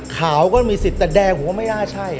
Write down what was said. ขาวก็มีสิทธิ์แต่แดงก็ไม่น่าใช่อ่ะ